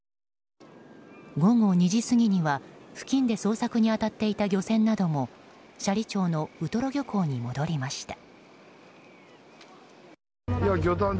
午後２時過ぎには付近で捜索に当たっていた漁船なども斜里町のウトロ漁港に戻りました。